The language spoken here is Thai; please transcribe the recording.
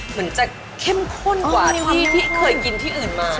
เหมือนจะเข้มข้นกว่าที่เคยกินที่อื่นมา